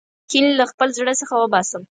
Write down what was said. کین له خپل زړه څخه وباسم.